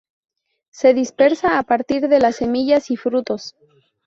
Se dispersa a partir de las semillas y frutos.